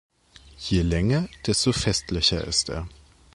Je länger, desto festlicher ist er.